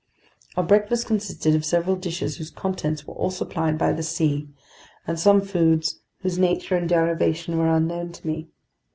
Our breakfast consisted of several dishes whose contents were all supplied by the sea, and some foods whose nature and derivation were unknown to me.